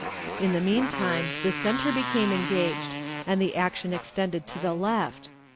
In the mean time the center became engaged, and the action extended to the left.